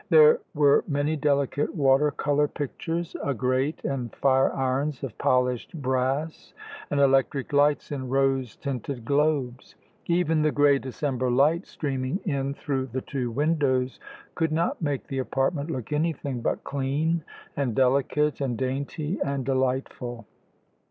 There were many delicate water colour pictures, a grate and fire irons of polished brass, and electric lights in rose tinted globes. Even the grey December light streaming in through the two windows could not make the apartment look anything but clean, and delicate, and dainty, and delightful.